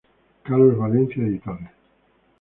Carlos Valencia editores.